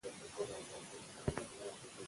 تاريخ بايد د منطق په تله وتلل شي.